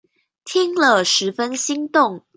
聽了十分心動